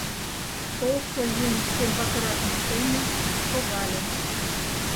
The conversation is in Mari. Толшо еҥ тембакырак лишеме, шогале.